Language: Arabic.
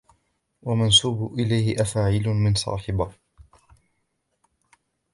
وَمَنْسُوبٌ إلَيْهِ أَفَاعِيلُ مَنْ صَاحَبَ